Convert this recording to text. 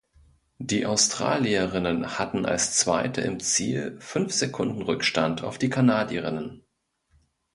Die Australierinnen hatten als Zweite im Ziel fünf Sekunden Rückstand auf die Kanadierinnen.